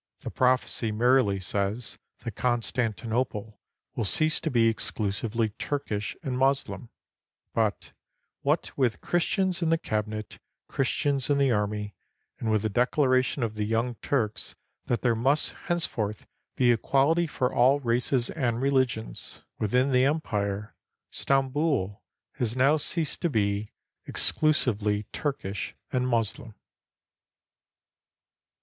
The prophecy merely says that Constantinople will cease to be exclusively Turkish and Moslem; but what with Christians in the cabinet, Christians in the army, and with the declaration of the Young Turks that there must henceforth be equality for all races and religions within the empire, Stamboul has now ceased to be exclusively Turkish and Moslem.